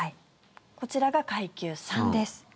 こちらが階級３です。